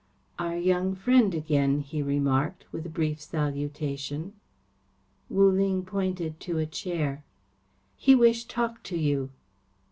"Our young friend again," he remarked, with a brief salutation. Wu Ling pointed to a chair. "He wish talk to you."